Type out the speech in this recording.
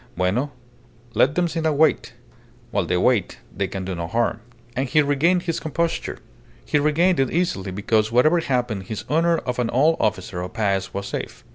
Bueno. Let them sit and wait. While they wait they can do no harm." And he regained his composure. He regained it easily, because whatever happened his honour of an old officer of Paez was safe.